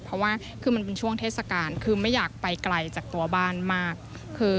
เพราะว่าคือมันเป็นช่วงเทศกาลคือไม่อยากไปไกลจากตัวบ้านมาก